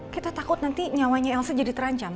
kita takut nanti nyawanya elsa jadi terancam